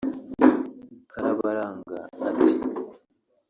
Karabaranga ati